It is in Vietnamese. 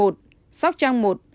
sóc trang một ca nhiễm